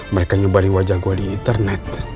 mereka nyebarin wajah gue di internet